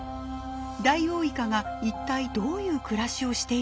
ダイオウイカが一体どういう暮らしをしているのか。